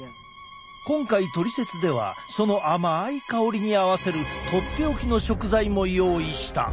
今回「トリセツ」ではその甘い香りに合わせるとっておきの食材も用意した！